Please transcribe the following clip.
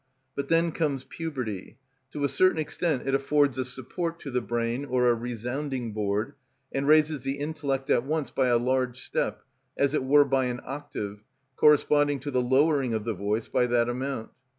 But then comes puberty; to a certain extent it affords a support to the brain, or a resounding board, and raises the intellect at once by a large step, as it were by an octave, corresponding to the lowering of the voice by that amount.